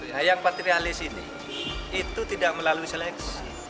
nah yang patrialis ini itu tidak melalui seleksi